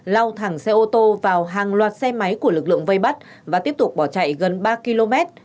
lao thẳng xe ô tô vào hàng loạt xe máy của lực lượng vây bắt và tiếp tục bỏ chạy gần ba km